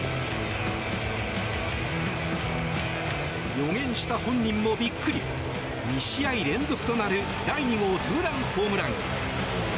予言した本人もびっくり２試合連続となる第２号ツーランホームラン。